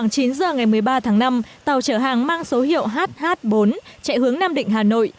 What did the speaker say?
khoảng chín giờ ngày một mươi ba tháng năm tàu chở hàng mang số hiệu hh bốn chạy hướng nam định hà nội